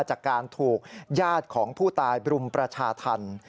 จากการถูกญาติของผู้ตายบรุมประชาธรรม